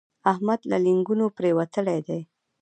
احمد له لېنګو پرېوتلی دی.